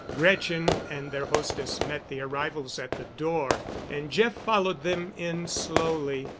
Gretchen and their hostess met the arrivals at the door, and Jeff followed them in slowly.